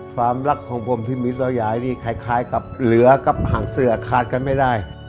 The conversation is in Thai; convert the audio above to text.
ความรักของผมที่มีต่อยายนี่คล้ายกับเหลือกับหางเสือขาดกันไม่ได้